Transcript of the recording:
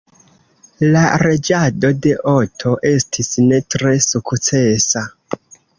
La reĝado de Otto estis ne tre sukcesa.